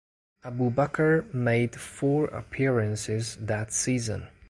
Aboubacar made four appearances that season.